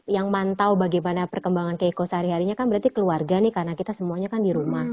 yang mantau bagaimana perkembangan keiko sehari harinya kan berarti keluarga nih karena kita semuanya kan di rumah